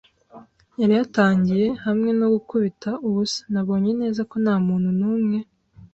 yari yatangiye, hamwe no gukubita ubusa. Nabonye neza ko nta muntu n'umwe